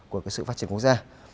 của cái sự phát triển quốc gia